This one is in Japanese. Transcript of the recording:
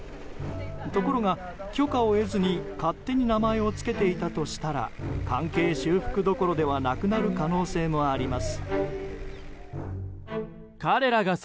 ところが、許可を得ずに勝手に名前を付けていたとしたら関係修復どころではなくなる可能性もあります。